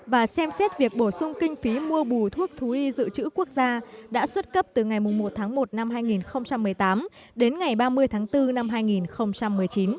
và xem xét việc bổ sung kinh phí mua bù thuốc thú y dự trữ quốc gia đã xuất cấp từ ngày một tháng một năm hai nghìn một mươi tám đến ngày ba mươi tháng bốn năm hai nghìn một mươi chín